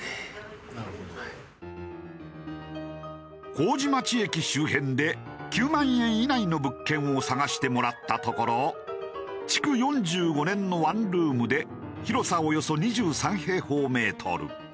麹町駅周辺で９万円以内の物件を探してもらったところ築４５年のワンルームで広さおよそ２３平方メートル。